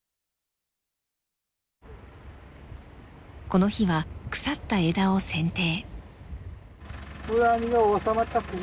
この日は腐った枝を剪定。